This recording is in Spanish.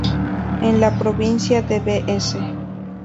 En la Provincia de Bs.